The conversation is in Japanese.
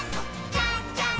じゃんじゃん！